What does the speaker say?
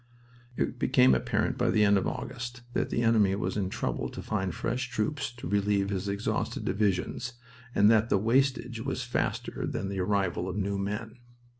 It became apparent by the end of August that the enemy was in trouble to find fresh troops to relieve his exhausted divisions, and that the wastage was faster than the arrival of new men.